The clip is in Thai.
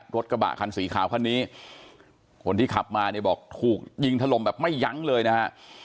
รถกระบะคันสีขาวคันนี้คนที่ขับมาเนี่ยบอกถูกยิงถล่มแบบไม่ยั้งเลยนะฮะ